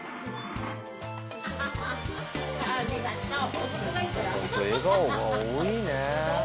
ここは本当笑顔が多いね。